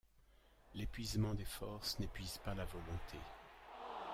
L’épuisement des forces n’épuise pas la volonté.